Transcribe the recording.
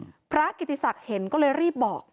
พระกิติศักดิ์เห็นก็เลยรีบบอก